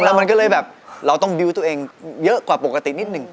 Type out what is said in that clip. แล้วมันก็เลยแบบเราต้องบิวต์ตัวเองเยอะกว่าปกตินิดหนึ่ง